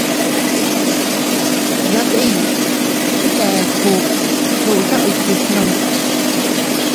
Yaʼte tet eku, dukcha iti gnu.